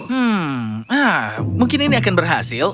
hmm mungkin ini akan berhasil